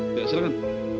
sudah esok kan